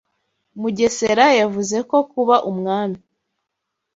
Mugesera yavuze ko kuba ubwami